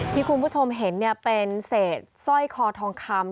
ที่คุณผู้ชมเห็นเป็นเศษสร้อยคอทองคำ